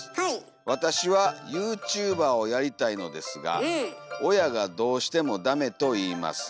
わたしはユーチューバーをやりたいのですがおやがどうしてもだめと言います。